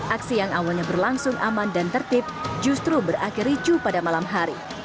aksi yang awalnya berlangsung aman dan tertib justru berakhir ricu pada malam hari